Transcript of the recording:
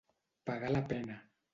Pagar la pena.